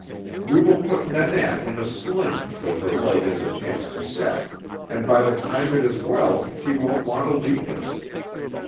We will put Nannette in a sling till her leg has a chance to set, and by the time it is well she won't want to leave us.